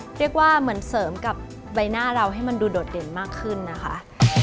เรียกว่าเหมือนเสริมกับใบหน้าเราให้มันดูโดดเด่นมากขึ้นนะคะ